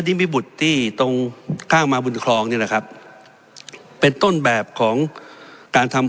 นิมิบุตรที่ตรงข้างมาบุญคลองนี่แหละครับเป็นต้นแบบของการทำ